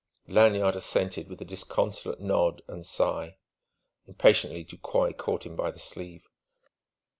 Lanyard assented with a disconsolate nod and sigh. Impatiently Ducroy caught him by the sleeve.